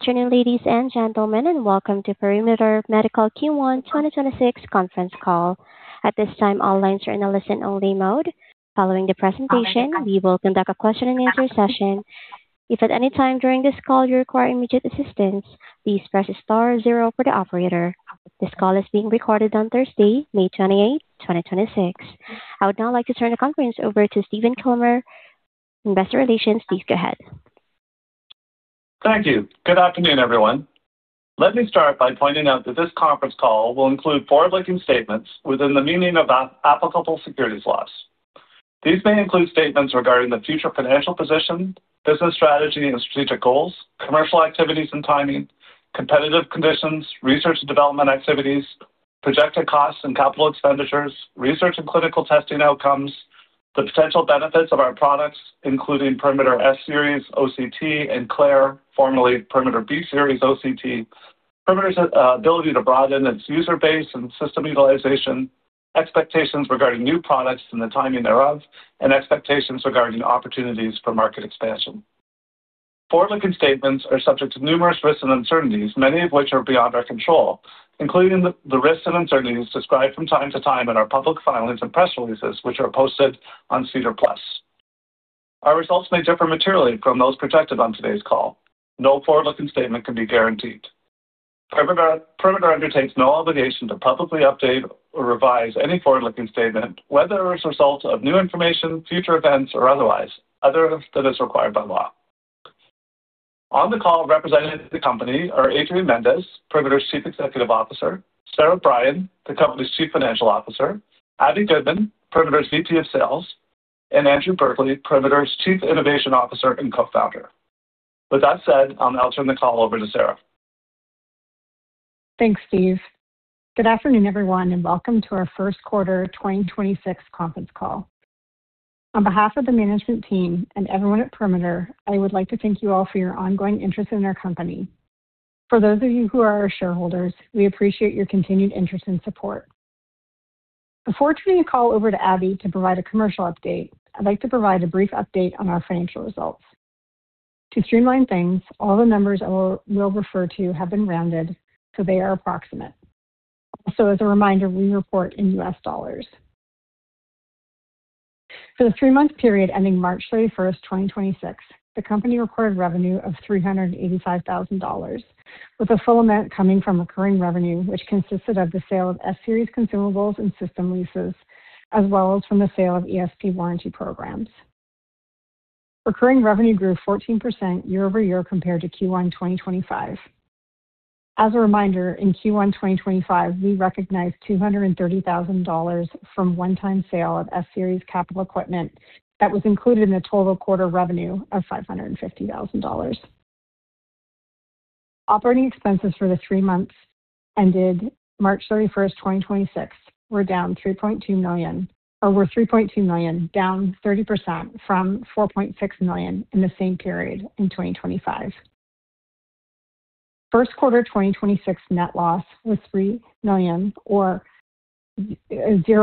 Good afternoon, ladies and gentlemen. Welcome to Perimeter Medical Q1 2026 conference call. I would now like to turn the conference over to Stephen Kilmer, Investor Relations. Please go ahead. Thank you. Good afternoon, everyone. Let me start by pointing out that this conference call will include forward-looking statements within the meaning of applicable securities laws. These may include statements regarding the future financial position, business strategy and strategic goals, commercial activities and timing, competitive conditions, research and development activities, projected costs and capital expenditures, research and clinical testing outcomes, the potential benefits of our products, including Perimeter S-Series OCT and Claire, formerly Perimeter B-Series OCT, Perimeter's ability to broaden its user base and system utilization, expectations regarding new products and the timing thereof, and expectations regarding opportunities for market expansion. Forward-looking statements are subject to numerous risks and uncertainties, many of which are beyond our control, including the risks and uncertainties described from time to time in our public filings and press releases, which are posted on SEDAR+. Our results may differ materially from those projected on today's call. No forward-looking statement can be guaranteed. Perimeter undertakes no obligation to publicly update or revise any forward-looking statement, whether as a result of new information, future events, or otherwise, other than is required by law. On the call, representatives of the company are Adrian Mendes, Perimeter's Chief Executive Officer, Sara Brien, the company's Chief Financial Officer, Abbey Goodman, Perimeter's VP of Sales, and Andrew Berkeley, Perimeter's Chief Innovation Officer and Co-founder. With that said, I'll now turn the call over to Sara. Thanks, Steve. Good afternoon, everyone, and welcome to our first quarter 2026 conference call. On behalf of the management team and everyone at Perimeter, I would like to thank you all for your ongoing interest in our company. For those of you who are our shareholders, we appreciate your continued interest and support. Before turning the call over to Abbey to provide a commercial update, I'd like to provide a brief update on our financial results. To streamline things, all the numbers I will refer to have been rounded, so they are approximate. Also, as a reminder, we report in U.S. dollars. For the three-month period ending March 31st, 2026, the company recorded revenue of $385,000, with the full amount coming from recurring revenue, which consisted of the sale of S-Series consumables and system leases, as well as from the sale of ESP warranty programs. Recurring revenue grew 14% year-over-year compared to Q1 2025. As a reminder, in Q1 2025, we recognized $230,000 from one-time sale of S-Series capital equipment that was included in the total quarter revenue of $550,000. Operating expenses for the three months ended March 31st, 2026, were $3.2 million, down 30% from $4.6 million in the same period in 2025. First quarter 2026 net loss was $3 million, or $0.02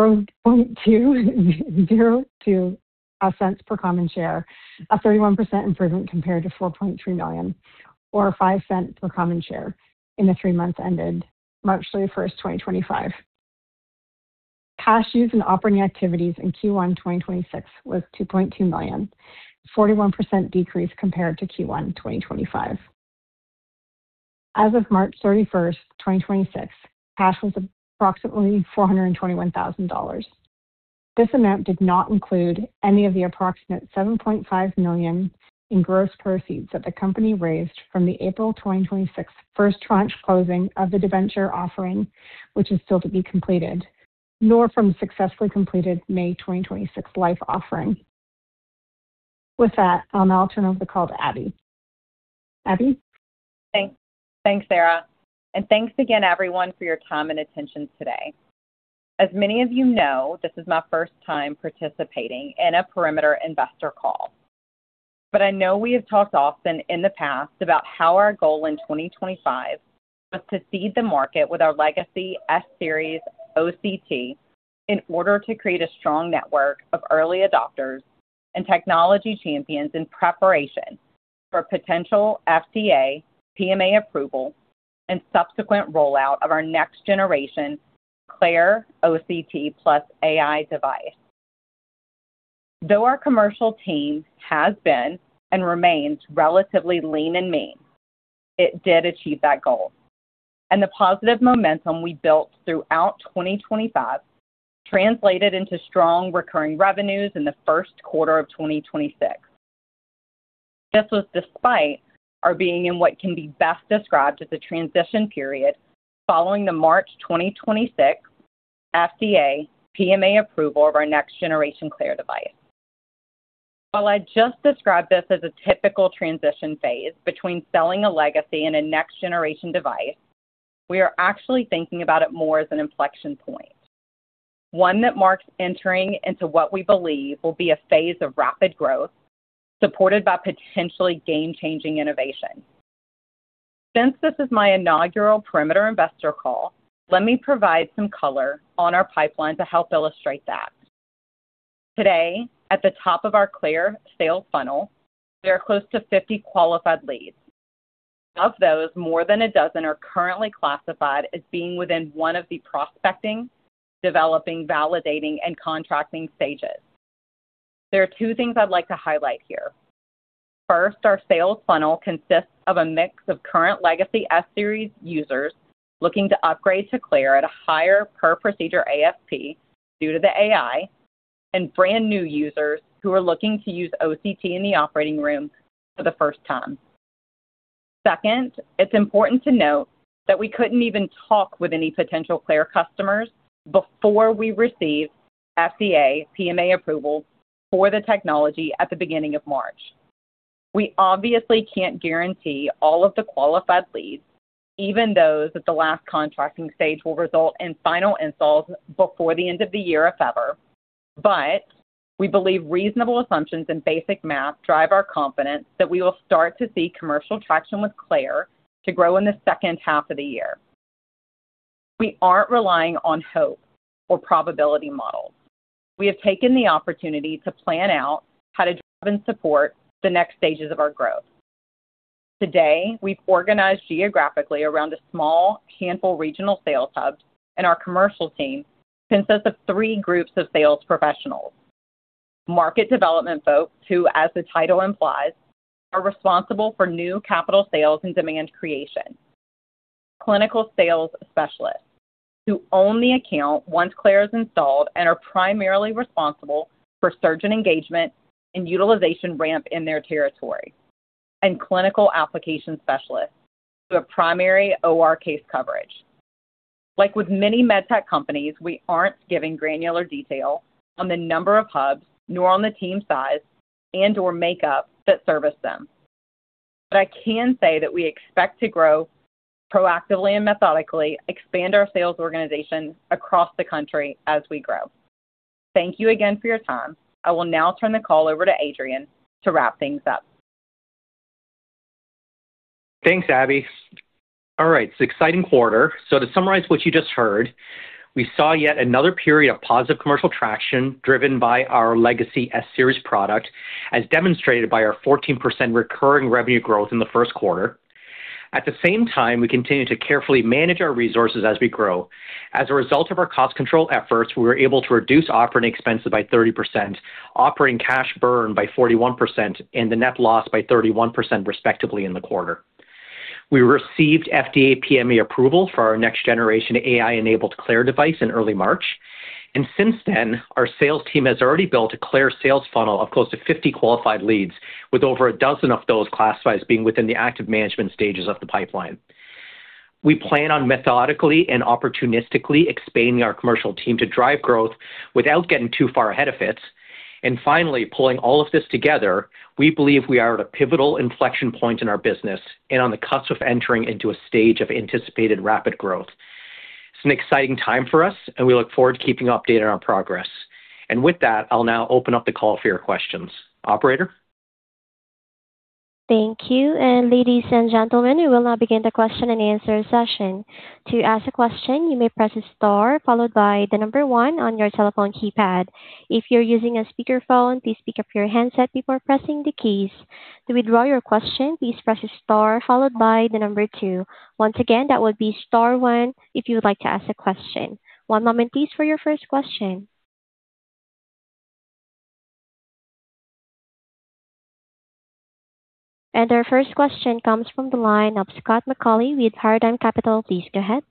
per common share, a 31% improvement compared to $4.3 million or $0.05 per common share in the three months ended March 31st, 2025. Cash used in operating activities in Q1 2026 was $2.2 million, a 41% decrease compared to Q1 2025. As of March 31st, 2026, cash was approximately $421,000. This amount did not include any of the approximate $7.5 million in gross proceeds that the company raised from the April 2026 first tranche closing of the debenture offering, which is still to be completed, nor from successfully completed May 2026 LIFE offering. With that, I'll now turn over the call to Abbey. Abbey? Thanks, Sara. Thanks again, everyone, for your time and attention today. As many of you know, this is my first time participating in a Perimeter investor call. I know we have talked often in the past about how our goal in 2025 was to seed the market with our legacy S-Series OCT in order to create a strong network of early adopters and technology champions in preparation for potential FDA PMA approval and subsequent rollout of our next generation Claire OCT plus AI device. Though our commercial team has been and remains relatively lean and mean, it did achieve that goal. The positive momentum we built throughout 2025 translated into strong recurring revenues in the first quarter of 2026. This was despite our being in what can be best described as a transition period following the March 2026 FDA PMA approval of our next generation Claire device. While I just described this as a typical transition phase between selling a legacy and a next generation device, we are actually thinking about it more as an inflection point, one that marks entering into what we believe will be a phase of rapid growth supported by potentially game-changing innovation. Since this is my inaugural Perimeter investor call, let me provide some color on our pipeline to help illustrate that. Today, at the top of our Claire sales funnel, there are close to 50 qualified leads. Of those, more than 12 are currently classified as being within one of the prospecting, developing, validating, and contracting stages. There are two things I'd like to highlight here. First, our sales funnel consists of a mix of current legacy S-Series users looking to upgrade to Claire at a higher per-procedure ASP due to the AI, and brand new users who are looking to use OCT in the operating room for the first time. Second, it's important to note that we couldn't even talk with any potential Claire customers before we received FDA PMA approval for the technology at the beginning of March. We obviously can't guarantee all of the qualified leads, even those at the last contracting stage will result in final installs before the end of the year, if ever. We believe reasonable assumptions and basic math drive our confidence that we will start to see commercial traction with Claire to grow in the second half of the year. We aren't relying on hope or probability models. We have taken the opportunity to plan out how to drive and support the next stages of our growth. Today, we've organized geographically around a small handful of regional sales hubs. Our commercial team consists of three groups of sales professionals. Market development folks who, as the title implies, are responsible for new capital sales and demand creation. Clinical sales specialists who own the account once Claire is installed and are primarily responsible for surgeon engagement and utilization ramp in their territory. Clinical application specialists who have primary OR case coverage. Like with many med tech companies, we aren't giving granular detail on the number of hubs, nor on the team size and/or makeup that service them. I can say that we expect to grow proactively and methodically expand our sales organization across the country as we grow. Thank you again for your time. I will now turn the call over to Adrian to wrap things up. Thanks, Abbey. All right, it's an exciting quarter. To summarize what you just heard, we saw yet another period of positive commercial traction driven by our legacy S-Series product, as demonstrated by our 14% recurring revenue growth in the first quarter. At the same time, we continue to carefully manage our resources as we grow. As a result of our cost control efforts, we were able to reduce operating expenses by 30%, operating cash burn by 41%, and the net loss by 31% respectively in the quarter. We received FDA PMA approval for our next generation AI-enabled Claire device in early March, and since then, our sales team has already built a Claire sales funnel of close to 50 qualified leads, with over a dozen of those classified as being within the active management stages of the pipeline. We plan on methodically and opportunistically expanding our commercial team to drive growth without getting too far ahead of it. Finally, pulling all of this together, we believe we are at a pivotal inflection point in our business and on the cusp of entering into a stage of anticipated rapid growth. It's an exciting time for us, and we look forward to keeping you updated on progress. With that, I'll now open up the call for your questions. Operator? Thank you. Ladies and gentlemen, we will now begin the question-and-answer session. To ask a question, you may press star followed by the number one on your telephone keypad. If you're using a speakerphone, please pick up your handset before pressing the keys. To withdraw your question, please press star followed by the number two. Once again, that would be star one if you would like to ask a question. One moment please for your first question. Our first question comes from the line of Scott McAuley with Paradigm Capital. Please go ahead.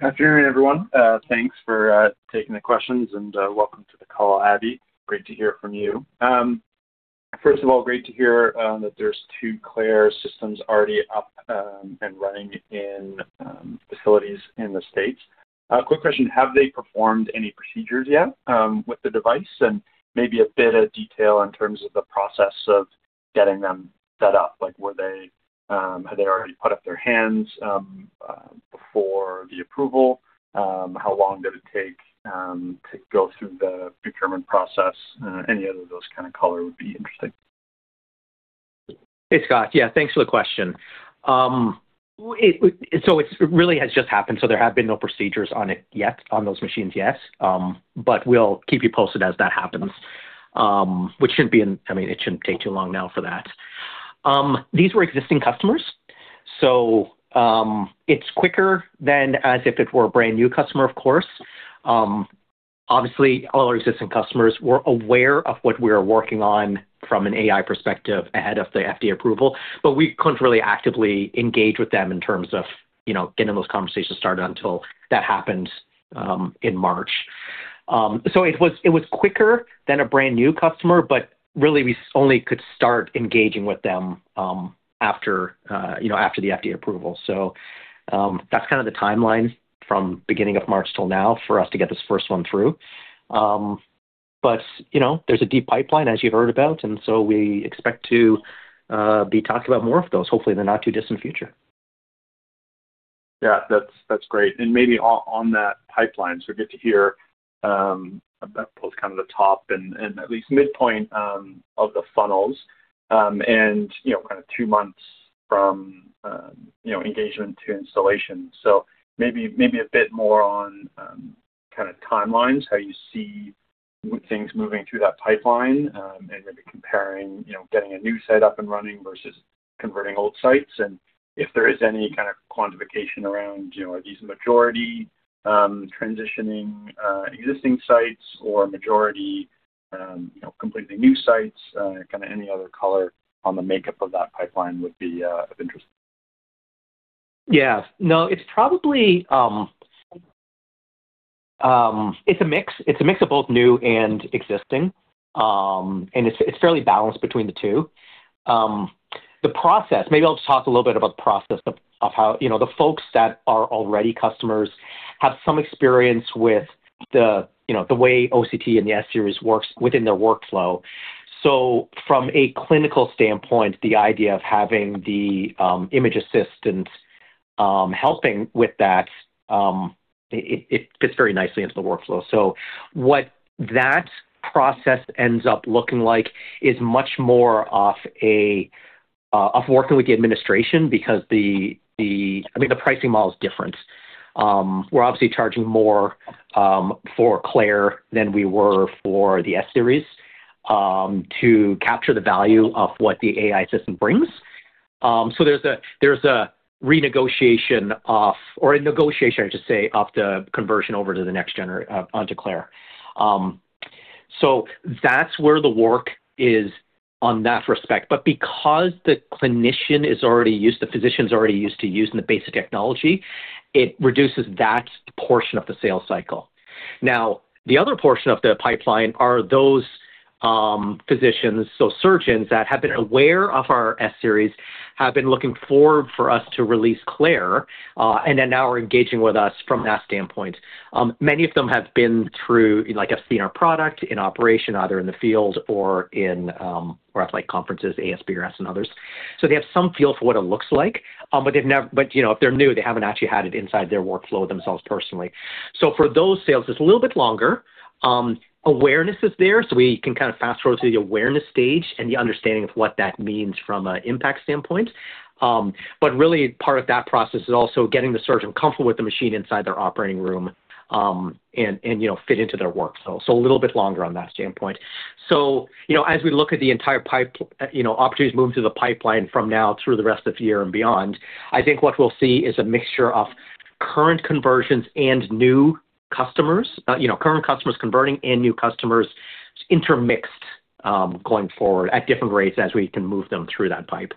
Good afternoon, everyone. Thanks for taking the questions, and welcome to the call, Abbey. Great to hear from you. First of all, great to hear that there's two Claire systems already up and running in facilities in the U.S. Quick question, have they performed any procedures yet with the device? Maybe a bit of detail in terms of the process of getting them set up. Like were they had they already put up their hands before the approval? How long did it take to go through the procurement process? Any of those kind of color would be interesting. Hey, Scott. Yeah, thanks for the question. It really has just happened, so there have been no procedures on it yet, on those machines yet. We'll keep you posted as that happens. Which shouldn't be, I mean, it shouldn't take too long now for that. These were existing customers, it's quicker than as if it were a brand new customer, of course. Obviously, all our existing customers were aware of what we are working on from an AI perspective ahead of the FDA approval, we couldn't really actively engage with them in terms of getting those conversations started until that happened in March. It was, it was quicker than a brand new customer, really we only could start engaging with them after the FDA approval. That's kind of the timeline from beginning of March till now for us to get this first one through. You know, there's a deep pipeline as you've heard about, we expect to be talking about more of those hopefully in the not too distant future. Yeah, that's great. Maybe on that pipeline, get to hear about both kind of the top and at least midpoint of the funnels, and you know, kind of two months from engagement to installation. Maybe a bit more on timelines, how you see things moving through that pipeline, and maybe comparing getting a new site up and running versus converting old sites and if there is any kind of quantification around are these majority transitioning existing sites or majority completely new sites. Any other color on the makeup of that pipeline would be of interest. Yes. No, it's a mix of both new and existing, and it's fairly balanced between the two. The process, maybe I'll just talk a little bit about the process of how the folks that are already customers have some experience with the way OCT and the S-Series works within their workflow. From a clinical standpoint, the idea of having the image assistance helping with that, it fits very nicely into the workflow. What that process ends up looking like is much more of working with the administration because the pricing model is different. We're obviously charging more for Claire than we were for the S-Series to capture the value of what the AI assistant brings. There's a renegotiation of, or a negotiation I should say, of the conversion over to the next gen onto Claire. That's where the work is on that respect. Because the physician's already used to using the basic technology, it reduces that portion of the sales cycle. The other portion of the pipeline are those physicians, so surgeons that have been aware of our S-Series, have been looking forward for us to release Claire, and now are engaging with us from that standpoint. Many of them have seen our product in operation, either in the field or at conferences, ASBrS and others. They have some feel for what it looks like, but if they're new, they haven't actually had it inside their workflow themselves personally. For those sales, it's a little bit longer. Awareness is there, so we can kind of fast-forward to the awareness stage and the understanding of what that means from an impact standpoint. Really part of that process is also getting the surgeon comfortable with the machine inside their operating room, and fit into their workflow. A little bit longer on that standpoint. As we look at the entire opportunities moving through the pipeline from now through the rest of the year and beyond, I think what we'll see is a mixture of current conversions and new customers, current customers converting and new customers intermixed going forward at different rates as we can move them through that pipe.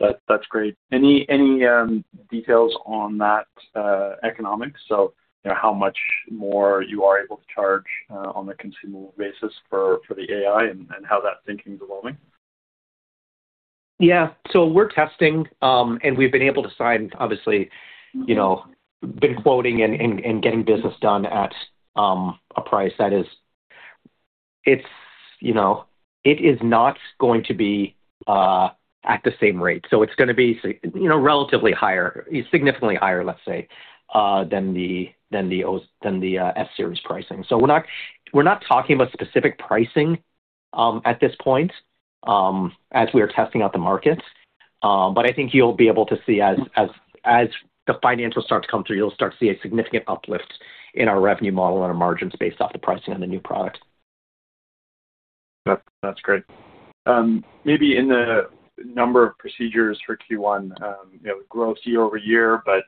That's great. Any details on that economics, how much more you are able to charge on a consumable basis for the AI and how that thinking's evolving? Yeah. We're testing, and we've been able to sign, obviously, been quoting and getting business done at a price that is not going to be at the same rate. It's going to be relatively higher, significantly higher, let's say, than the S-Series pricing. We're not talking about specific pricing at this point as we are testing out the market. I think you'll be able to see as the financials start to come through, you'll start to see a significant uplift in our revenue model and our margins based off the pricing on the new product. That's great. Maybe in the number of procedures for Q1, growth year-over-year, but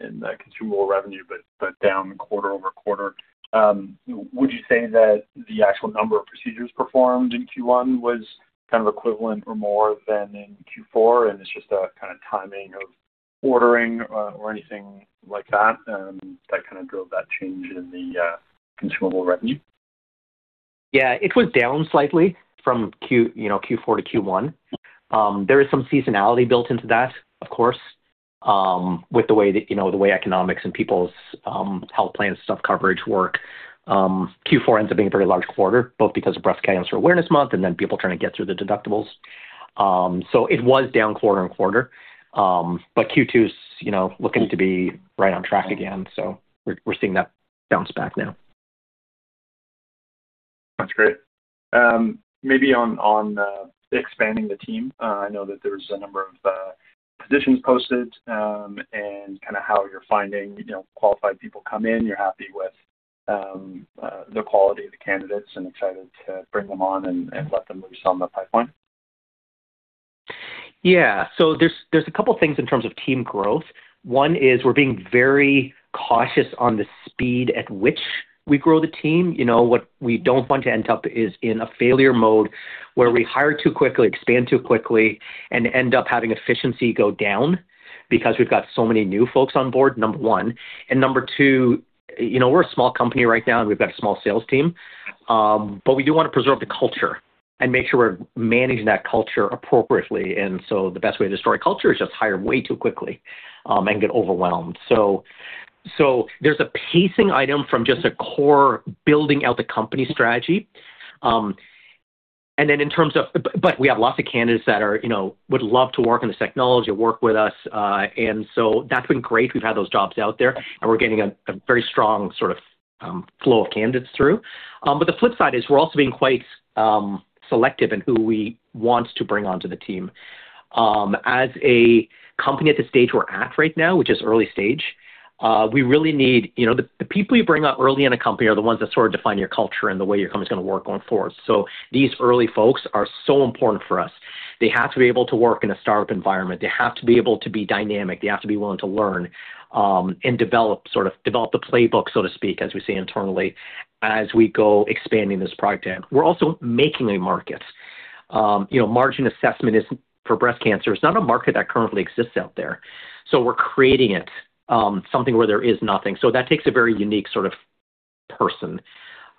in the consumable revenue, but down quarter-over-quarter. Would you say that the actual number of procedures performed in Q1 was kind of equivalent or more than in Q4 and it's just a kind of timing of ordering or anything like that kind of drove that change in the consumable revenue? It was down slightly from Q4 to Q1. There is some seasonality built into that, of course, with the way economics and people's health plans stuff coverage work. Q4 ends up being a very large quarter, both because of Breast Cancer Awareness Month and then people trying to get through the deductibles. It was down quarter-on-quarter, but Q2's looking to be right on track again. We're seeing that bounce back now. That's great. Maybe on expanding the team, I know that there's a number of positions posted, and how you're finding qualified people come in, you're happy with the quality of the candidates and excited to bring them on and let them loose on the pipeline. Yeah. There's a couple things in terms of team growth. One is we're being very cautious on the speed at which we grow the team. What we don't want to end up is in a failure mode where we hire too quickly, expand too quickly, and end up having efficiency go down because we've got so many new folks on board, number one. Number two, we're a small company right now and we've got a small sales team. We do want to preserve the culture and make sure we're managing that culture appropriately, and so the best way to destroy culture is just hire way too quickly and get overwhelmed. There's a pacing item from just a core building out the company strategy. We have lots of candidates that would love to work on this technology and work with us. That's been great. We've had those jobs out there, and we're getting a very strong sort of flow of candidates through. The flip side is we're also being quite selective in who we want to bring onto the team. As a company at the stage we're at right now, which is early stage. The people you bring up early in a company are the ones that sort of define your culture and the way your company's going to work going forward. These early folks are so important for us. They have to be able to work in a startup environment. They have to be able to be dynamic. They have to be willing to learn and develop the playbook, so to speak, as we say internally, as we go expanding this product out. We're also making a market. Margin assessment for breast cancer is not a market that currently exists out there, so we're creating it, something where there is nothing. That takes a very unique sort of person.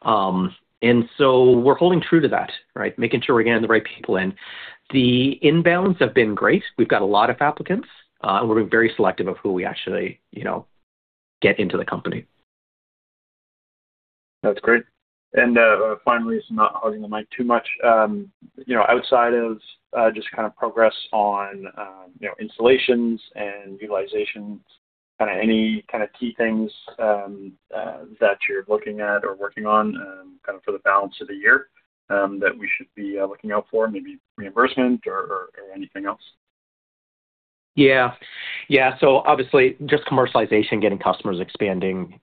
We're holding true to that, right? Making sure we're getting the right people in. The inbounds have been great. We've got a lot of applicants. We're being very selective of who we actually get into the company. That's great. Finally, I'm not hogging the mic too much. Outside of just kind of progress on installations and utilizations, any kind of key things that you're looking at or working on for the balance of the year that we should be looking out for, maybe reimbursement or anything else? Obviously just commercialization, getting customers, expanding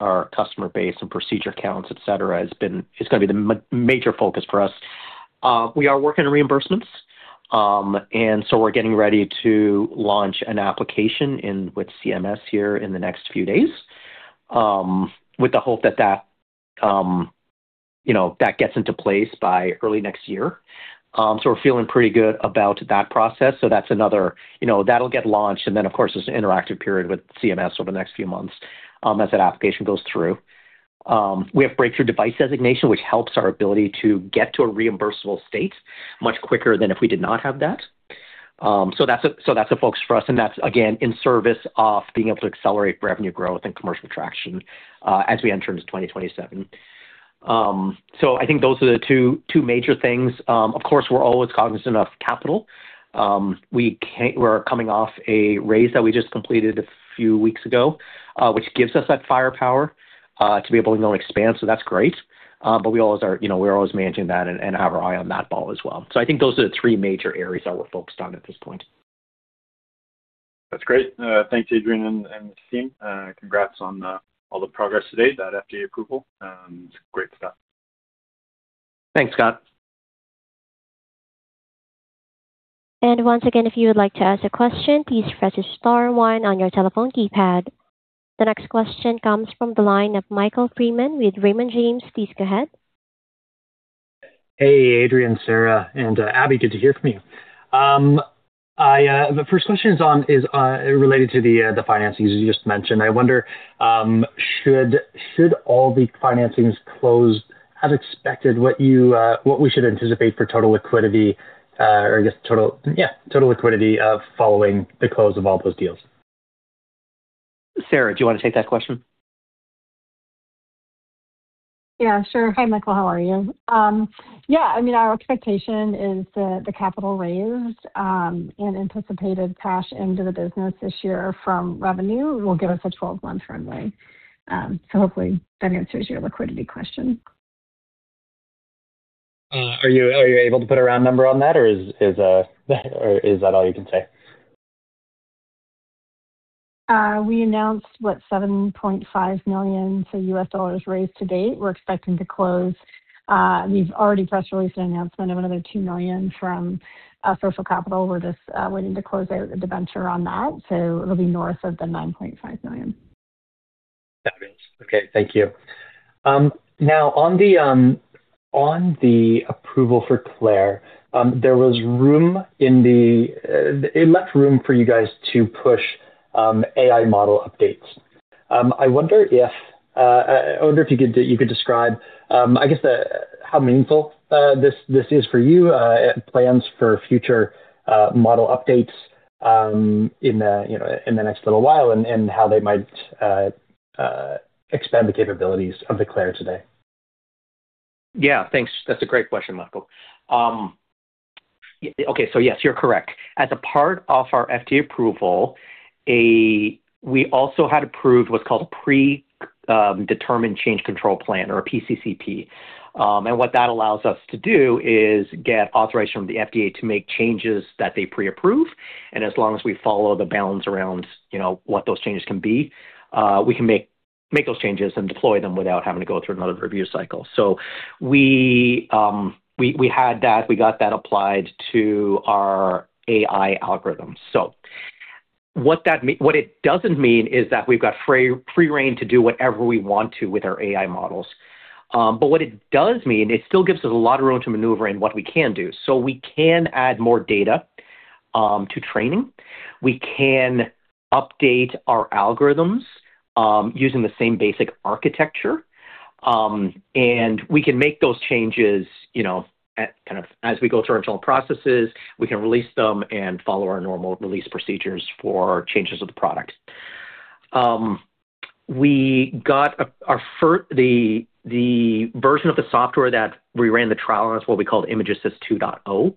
our customer base and procedure counts, et cetera, is going to be the major focus for us. We are working on reimbursements, we're getting ready to launch an application with CMS here in the next few days with the hope that that gets into place by early next year. We're feeling pretty good about that process. That'll get launched, of course, there's an interactive period with CMS over the next few months as that application goes through. We have Breakthrough Device Designation, which helps our ability to get to a reimbursable state much quicker than if we did not have that. That's a focus for us, that's, again, in service of being able to accelerate revenue growth and commercial traction as we enter into 2027. I think those are the two major things. Of course, we're always cognizant of capital. We're coming off a raise that we just completed a few weeks ago, which gives us that firepower to be able to expand, so that's great. We're always managing that and have our eye on that ball as well. I think those are the three major areas that we're focused on at this point. That's great. Thanks, Adrian and the team. Congrats on all the progress to date, that FDA approval. Great stuff. Thanks, Scott. Once again, if you would like to ask a question, please press star one on your telephone keypad. The next question comes from the line of Michael Freeman with Raymond James. Please go ahead. Hey, Adrian, Sara, and Abbey, good to hear from you. The first question is related to the financings you just mentioned. I wonder, should all the financings close as expected, what we should anticipate for total liquidity of following the close of all those deals? Sara, do you want to take that question? Sure. Hi, Michael, how are you? Our expectation is that the capital raised and anticipated cash into the business this year from revenue will give us a 12-month runway. Hopefully that answers your liquidity question. Are you able to put a round number on that or is that all you can say? We announced, what, $7.5 million for U.S. dollars raised to date. We're expecting to close. We've already press released an announcement of another $2 million from Social Capital. We're just waiting to close out a debenture on that, so it'll be north of the $9.5 million. Fabulous. Okay, thank you. On the approval for Claire, it left room for you guys to push AI model updates. I wonder if you could describe how meaningful this is for you, plans for future model updates in the next little while, and how they might expand the capabilities of the Claire today. Yeah, thanks. That's a great question, Michael. Okay. Yes, you're correct. As a part of our FDA approval, we also had approved what's called a Pre-Determined Change Control Plan or a PCCP. What that allows us to do is get authorization from the FDA to make changes that they pre-approve. As long as we follow the bounds around what those changes can be, we can make those changes and deploy them without having to go through another review cycle. We had that. We got that applied to our AI algorithm. What it doesn't mean is that we've got free rein to do whatever we want to with our AI models. What it does mean, it still gives us a lot of room to maneuver in what we can do. We can add more data to training. We can update our algorithms using the same basic architecture. We can make those changes as we go through our internal processes. We can release them and follow our normal release procedures for changes of the product. The version of the software that we ran the trial on is what we call ImgAssist AI 2.0.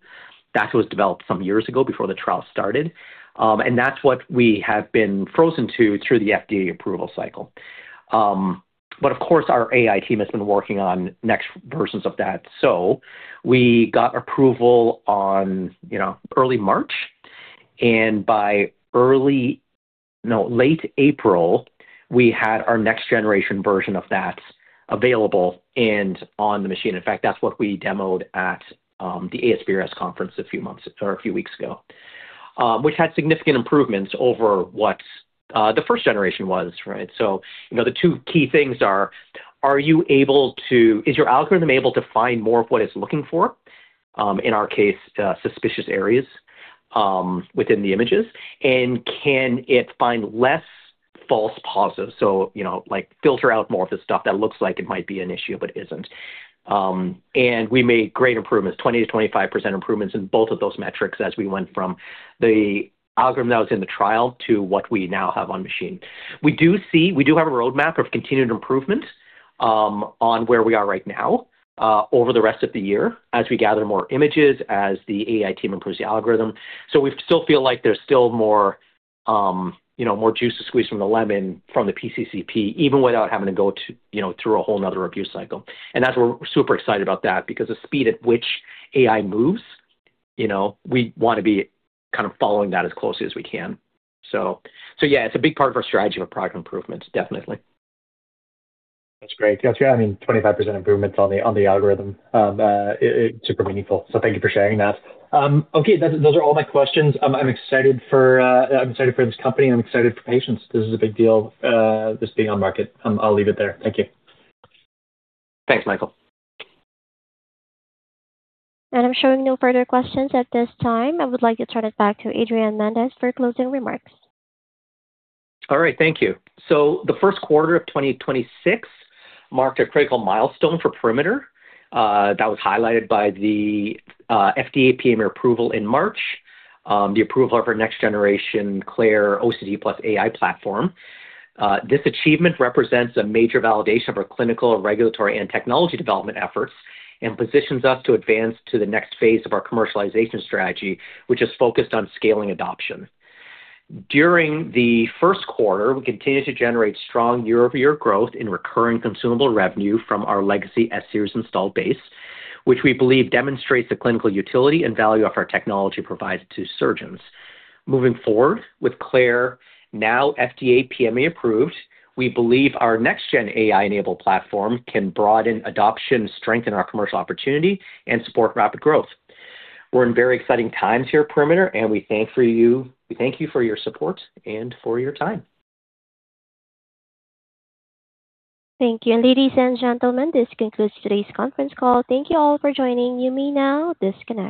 That was developed some years ago before the trial started, and that's what we have been frozen to through the FDA approval cycle. Of course, our AI team has been working on next versions of that. We got approval on early March, and by late April, we had our next generation version of that available and on the machine. In fact, that's what we demoed at the ASBrS conference a few weeks ago, which had significant improvements over what the first generation was. The two key things are, is your algorithm able to find more of what it's looking for, in our case, suspicious areas within the images? Can it find less false positives? Filter out more of the stuff that looks like it might be an issue, but isn't. We made great improvements, 20%-25% improvements in both of those metrics as we went from the algorithm that was in the trial to what we now have on machine. We do have a roadmap of continued improvement on where we are right now over the rest of the year as we gather more images, as the AI team improves the algorithm. We still feel like there's still more juice to squeeze from the lemon from the PCCP, even without having to go through a whole another review cycle. That's why we're super excited about that, because the speed at which AI moves, we want to be kind of following that as closely as we can. Yeah, it's a big part of our strategy for product improvements, definitely. That's great. Yeah, I mean, 25% improvements on the algorithm, super meaningful. Thank you for sharing that. Okay, those are all my questions. I'm excited for this company. I'm excited for patients. This is a big deal, this being on market. I'll leave it there. Thank you. Thanks, Michael. I'm showing no further questions at this time. I would like to turn it back to Adrian Mendes for closing remarks. All right. Thank you. The first quarter of 2026 marked a critical milestone for Perimeter that was highlighted by the FDA PMA approval in March, the approval of our next-generation Claire OCT plus AI platform. This achievement represents a major validation of our clinical, regulatory, and technology development efforts and positions us to advance to the next phase of our commercialization strategy, which is focused on scaling adoption. During the first quarter, we continued to generate strong year-over-year growth in recurring consumable revenue from our legacy S-Series install base, which we believe demonstrates the clinical utility and value of our technology provides to surgeons. Moving forward with Claire, now FDA PMA approved, we believe our next gen AI-enabled platform can broaden adoption, strengthen our commercial opportunity, and support rapid growth. We're in very exciting times here at Perimeter, and we thank you for your support and for your time. Thank you. Ladies and gentlemen, this concludes today's conference call. Thank you all for joining. You may now disconnect.